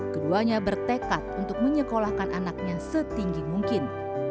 keduanya bertekad untuk menyekolahkan anaknya setinggi mungkin